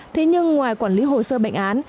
thế nhưng ngoài quản lý hồ sơ bệnh án